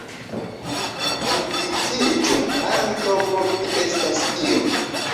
Enviciĝu, ankaŭ por Vi estas io.